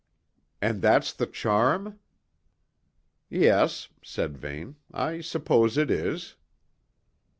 "And that's the charm?" "Yes," said Vane. "I suppose it is."